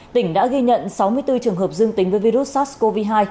tỉnh đã ghi nhận sáu mươi bốn trường hợp dương tính với virus sars cov hai